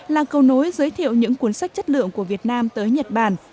là cầu nối giới thiệu những cuốn sách chất lượng của việt nam tới nhật bản